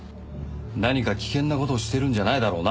何か危険な事をしてるんじゃないだろうな！